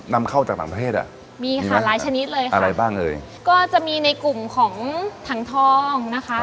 นำเข้าจากต่างประเทศอ่ะมีค่ะหลายชนิดเลยค่ะอะไรบ้างเอ่ยก็จะมีในกลุ่มของถังทองนะคะ